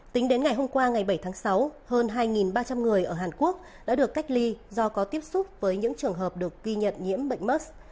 tính đến ngày hôm qua ngày bảy tháng sáu hơn hai ba trăm linh người ở hàn quốc đã được cách ly do có tiếp xúc với những trường hợp được ghi nhận nhiễm bệnh mus